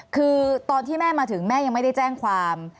คือตอนที่แม่มาถึงแม่ยังไม่ได้แจ้งความ